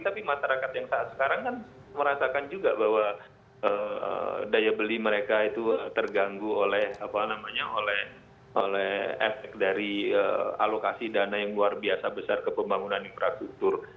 tapi masyarakat yang saat sekarang kan merasakan juga bahwa daya beli mereka itu terganggu oleh efek dari alokasi dana yang luar biasa besar ke pembangunan infrastruktur